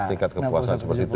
tingkat kepuasan seperti itu